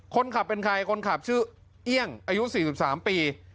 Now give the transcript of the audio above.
คนขับเป็นใครคนขับชื่อเอี่ยงอายุ๔๓ปี